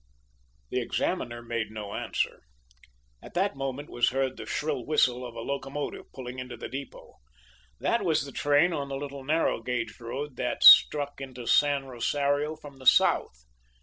The examiner made no answer. At that moment was heard the shrill whistle of a locomotive pulling into the depot. That was the train on the little, narrow gauge road that struck into San Rosario from the south.